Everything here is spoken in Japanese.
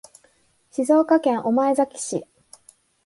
静岡県御前崎市